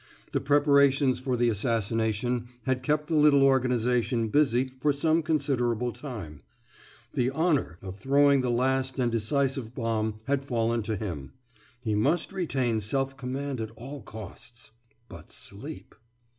The preparations for the assassination had kept the little organization busy for some considerable time. The »honour« of throwing the last and decisive bomb had fallen to him. He must retain self command at all costs. But sleep....